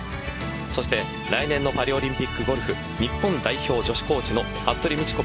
そして来年のパリオリンピックゴルフ日本代表女子コーチの服部道子